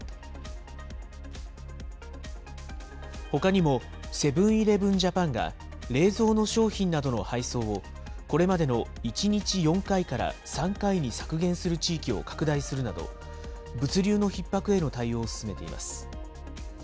ほかにも、セブン−イレブン・ジャパンが、冷蔵の商品などの配送を、これまでの１日４回から３回に削減する地域を拡大するなど、物流のひっ迫への対応を進めています。